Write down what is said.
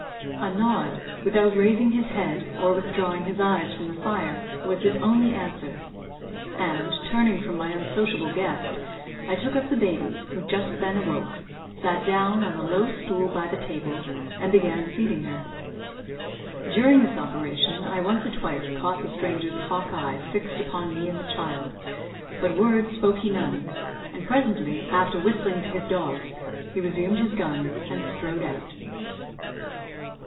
A nod, without raising his head, or withdrawing his eyes from the fire, was his only answer; and, turning from my unsociable guest, I took up the baby, who just then awoke, sat down on a low stool by the table, and began feeding her. During this operation, I once or twice caught the stranger's hawk eye fixed upon me and the child, but word spoke he none; and presently, after whistling to his dogs, he resumed his gun, and strode out.